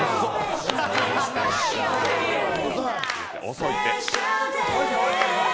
遅いって。